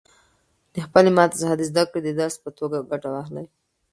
له خپلې ماتې څخه د زده کړې د درس په توګه ګټه واخلئ.